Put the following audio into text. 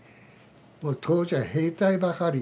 もう当時は兵隊ばかり。